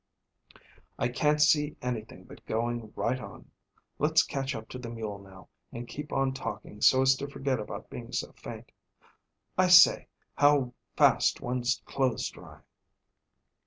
"I can't see anything but going right on. Let's catch up to the mule now and keep on talking so as to forget about being so faint. I say, how fast one's clothes dry!"